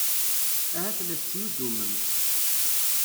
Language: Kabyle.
Ahat la tettnuddumem.